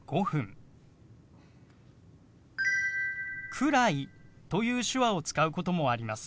「くらい」という手話を使うこともあります。